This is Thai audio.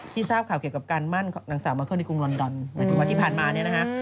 ทราบข่าวเกี่ยวกับการมั่นนางสาวมาเคิลในกรุงลอนดอนหมายถึงวันที่ผ่านมาเนี่ยนะฮะ